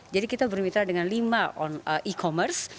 jadi kita bermitra dengan lima e commerce